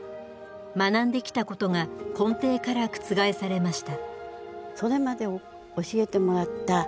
学んできたことが根底から覆されました。